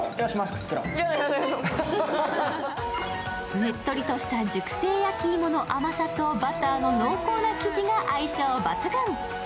ねっとりとした熟成焼き芋の甘さとバターの濃厚な生地が相性抜群。